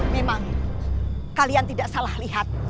memang kalian tidak salah lihat